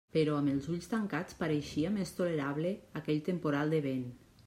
Però amb els ulls tancats pareixia més tolerable aquell temporal de vent.